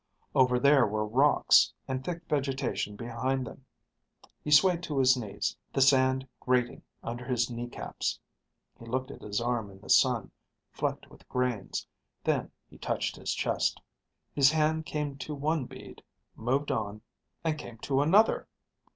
Over there were rocks, and thick vegetation behind them. He swayed to his knees, the sand grating under his kneecaps. He looked at his arm in the sun, flecked with grains. Then he touched his chest. His hand came to one bead, moved on, and came to another!